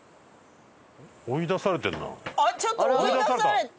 追い出されてるな。